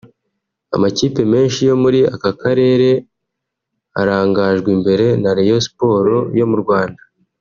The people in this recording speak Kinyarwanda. Amakipe menshi yo muri aka karere arangajwe imbere na Rayon Sports yo mu Rwanda